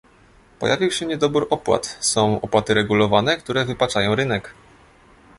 Pojawił się niedobór opłat, są opłaty regulowane, które wypaczają rynek